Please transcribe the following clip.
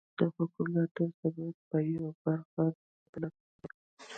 د حکومت او ثبات په يوه برخه بدل کړو.